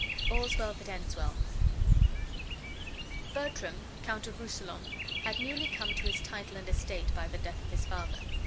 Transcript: ALL'S WELL THAT ENDS WELL Bertram, Count of Rousillon, had newly come to his title and estate by the death of his father.